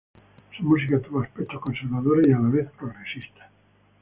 Su música tuvo aspectos conservadores y a la vez progresistas.